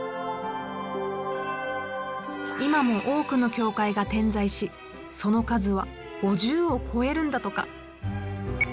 今も多くの教会が点在しその数は５０を超えるんだとか。